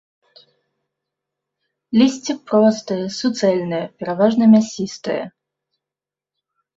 Лісце простае, суцэльнае, пераважна мясістае.